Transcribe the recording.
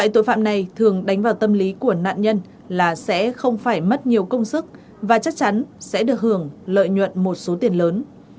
để dụ sử dụng nạn nhân sẽ đánh vào tâm lý của nạn nhân là sẽ không phải mất nhiều công sức và chắc chắn sẽ được hưởng lợi nhuận một số tiền lớn